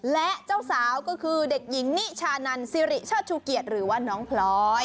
และเจ้าสาวก็คือเด็กหญิงนิชานันสิริเชิดชูเกียรติหรือว่าน้องพลอย